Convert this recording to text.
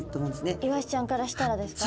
イワシちゃんからしたらですか？